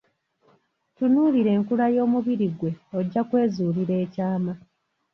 Tunuulira enkula y'omubiri gwe ojja kwezuulira ekyama.